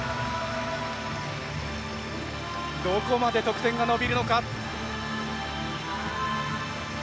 どこまで得点が伸びるのか。